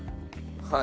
はい。